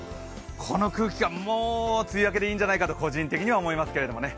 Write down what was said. この空気感、もう梅雨明けでいいんじゃないかと個人的には思いますけどね。